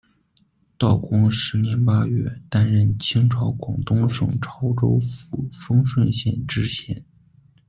道光十年八月，担任清朝广东省潮州府丰顺县知县。